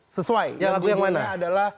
sesuai yang lagu yang mana